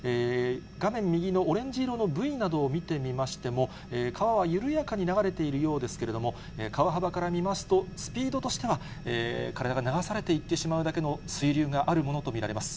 画面右のオレンジ色のブイなどを見てみましても、川は緩やかに流れているようですけれども、川幅から見ますと、スピードとしては、体が流されていってしまうだけの水流があるものと見られます。